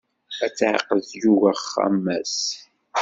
Ad teɛqel tyuga axemmas.